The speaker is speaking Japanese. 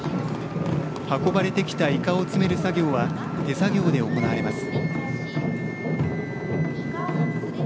運ばれてきたイカを詰める作業は手作業で行われます。